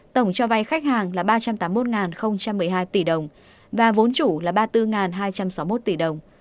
tổng cho vay khách hàng là ba trăm tám mươi một một mươi hai tỷ đồng và vốn chủ là ba mươi bốn hai trăm sáu mươi một tỷ đồng